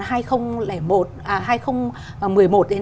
à hai nghìn một mươi một đến hai nghìn hai mươi một